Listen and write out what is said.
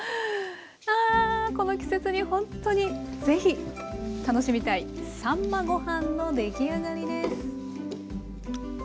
あこの季節にほんとにぜひ楽しみたいさんまご飯の出来上がりです。